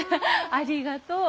ありがとう。